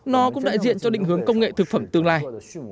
nó cũng đại diện cho định hướng công nghệ thực phẩm tương lai